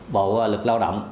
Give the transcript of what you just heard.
bộ lực lao động